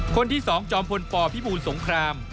คนที่๒จอมพลปพิบูลสงคราม